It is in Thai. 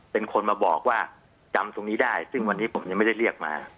เป็นคนมาบอกว่าจำตรงนี้ได้ซึ่งวันนี้ผมยังไม่ได้เรียกมา